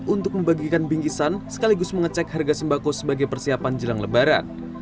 untuk membagikan bingkisan sekaligus mengecek harga sembako sebagai persiapan jelang lebaran